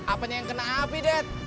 apanya yang kena api ded